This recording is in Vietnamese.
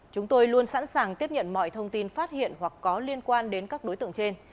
chúng tôi luôn sẵn sàng tiếp nhận mọi thông tin phát hiện hoặc có liên quan đến các đối tượng trên